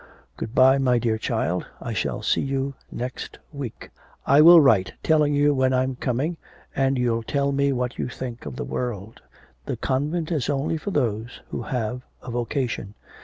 'Good bye, my dear child, I shall see you next week. I will write telling you when I'm coming, and you'll tell me what you think of the world. The convent is only for those who have a vocation.